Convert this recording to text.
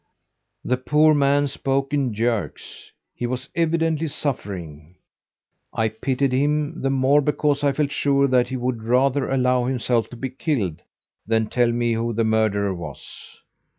"The poor man spoke in jerks. He was evidently suffering. I pitied him, the more because I felt sure that he would rather allow himself to be killed than tell me who the murderer was.